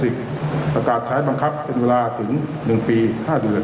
ประกาศใช้บังคับเป็นเวลาถึง๑ปี๕เดือน